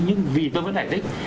nhưng vì tôi vẫn đẩy đấy